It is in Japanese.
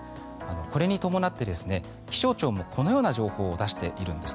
これに伴って気象庁もこのような情報を出しているんです。